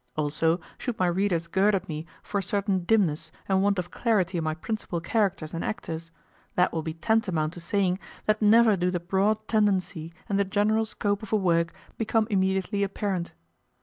Also, should my readers gird at me for a certain dimness and want of clarity in my principal characters and actors, that will be tantamount to saying that never do the broad tendency and the general scope of a work become immediately apparent.